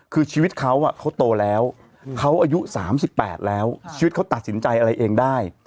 คือชีวิตเขาเขาโตแล้วเขาอายุ๓๘แล้วชีวิตเขาตัดสินใจอะไรเองได้